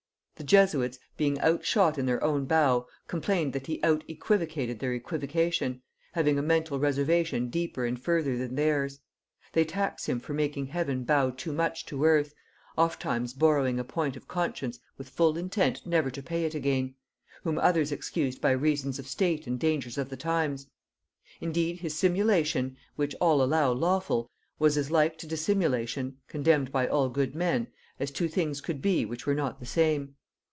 "The Jesuits, being outshot in their own bow, complained that he out equivocated their equivocation, having a mental reservation deeper and further than theirs. They tax him for making heaven bow too much to earth, oft times borrowing a point of conscience with full intent never to pay it again; whom others excused by reasons of state and dangers of the times. Indeed his simulation (which all allow lawful) was as like to dissimulation (condemned by all good men) as two things could be which were not the same.